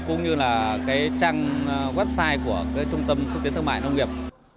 cũng như là trang website của trung tâm xuất tiến thương mại nông nghiệp